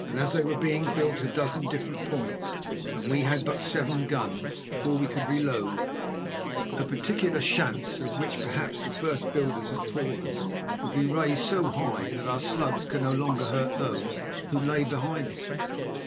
As they were being built at a dozen different points, and we had but seven guns, before we could reload, a particular schanz, of which perhaps the first builders had fallen, would be raised so high that our slugs could no longer hurt those who lay behind it.